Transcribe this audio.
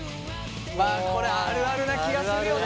まあこれあるあるな気がするよね。